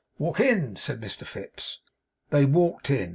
'Walk in,' said Mr Fips. They walked in.